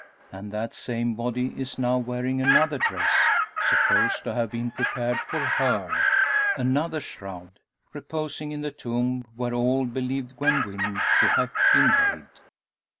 And that same body is now wearing another dress, supposed to have been prepared for her another shroud reposing in the tomb where all believed Gwen Wynn to have been laid!